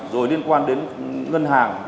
rồi liên quan đến ngân hàng